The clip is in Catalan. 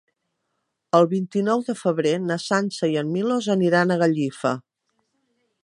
El vint-i-nou de febrer na Sança i en Milos aniran a Gallifa.